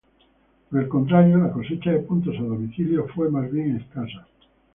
Por el contrario, la cosecha de puntos a domicilio fue más bien escasa.